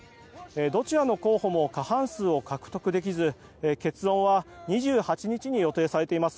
どちらの候補も過半数を獲得できず結論は２８日に予定されています。